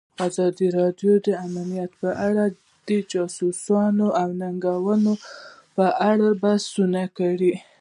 ازادي راډیو د امنیت په اړه د چانسونو او ننګونو په اړه بحث کړی.